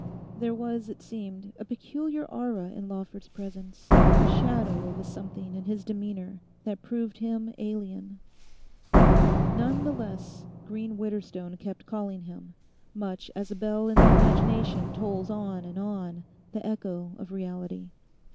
There was, it seemed, a peculiar aura in Lawford's presence, a shadow of a something in his demeanour that proved him alien. None the less green Widderstone kept calling him, much as a bell in the imagination tolls on and on, the echo of reality.